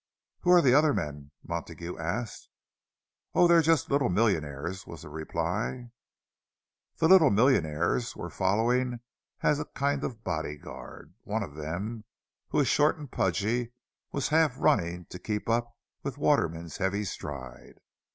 "Who are the other men?" Montague asked. "Oh, they're just little millionaires," was the reply. The "little millionaires" were following as a kind of body guard; one of them, who was short and pudgy, was half running, to keep up with Waterman's heavy stride.